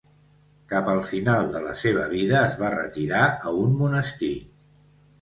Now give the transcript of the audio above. Cap al final de la seva vida, es va retirar a un monestir.